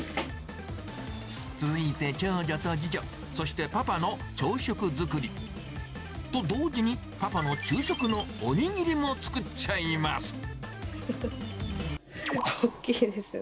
続いて、長女と次女、そしてパパの朝食作り。と同時に、パパの昼食のお握りも大きいですよね。